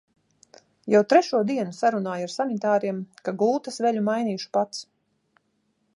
Jau trešo dienu sarunāju ar sanitāriem, ka gultas veļu mainīšu pats.